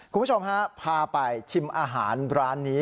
คุณผู้ชมฮะพาไปชิมอาหารร้านนี้